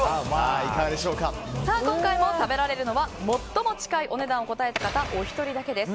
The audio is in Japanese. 今回も食べられるのは最も近いお値段を答えた方お一人だけです。